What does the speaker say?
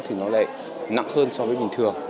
thì nó lại nặng hơn so với bình thường